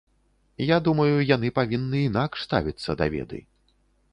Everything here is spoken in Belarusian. Я думаю, яны павінны інакш ставіцца да веды.